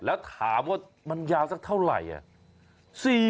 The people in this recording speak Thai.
แล้วถามว่ามันยาวสักเท่าไหร่